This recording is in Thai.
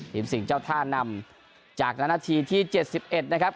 หิมสิงเจ้าท่านำจากนานนาทีที่เจ็ดสิบเอ็ดนะครับ